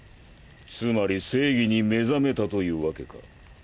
つまり正義に目覚めたというわけか。